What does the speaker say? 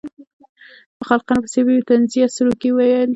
په خلقیاتو پسې یې طنزیه سروکي وویل.